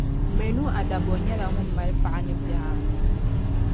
Manu-Adabor nyɛla ŋun mali paɣa ni bihi anu.